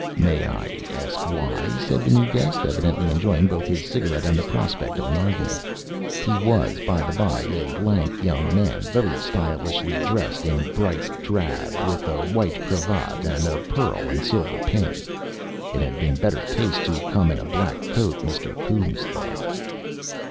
"May I arst why?" said the new guest, evidently enjoying both his cigarette and the prospect of an argument. He was, by the by, a lank young man, very stylishly dressed in bright drab, with a white cravat and a pearl and silver pin. It had been better taste to come in a black coat, Mr. Coombes thought.